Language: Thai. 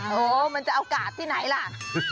โอ้โหมันจะเอากาดที่ไหนล่ะ